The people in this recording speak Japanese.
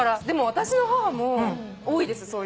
でも私の母も多いです